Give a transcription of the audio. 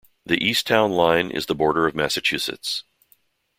The east town line is the border of Massachusetts.